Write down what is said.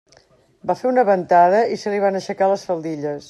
Va fer una ventada i se li van aixecar les faldilles.